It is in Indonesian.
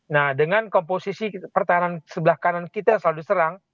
nah dengan komposisi pertahanan sebelah kanan kita yang selalu diserang